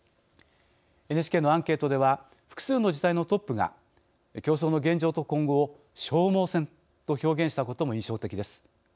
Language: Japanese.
ＮＨＫのアンケートでは複数の自治体のトップが競争の現状と今後を消耗戦と表現したことも印象的です。